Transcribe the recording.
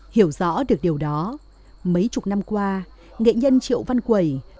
hiểu rõ được điều đó mấy chục năm qua nghệ nhân triệu văn quẩy